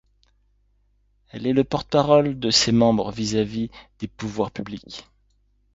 Elle est le porte-parole de ses membres vis-à-vis des pouvoirs publics.